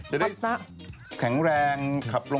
จะได้แข็งแรงขับรถ